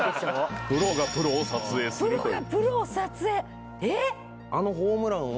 プロがプロを撮影えっ！